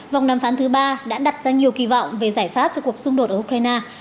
vòng đàm phán thứ ba đã đặt ra nhiều kỳ vọng về giải pháp cho cuộc xung đột ở ukraine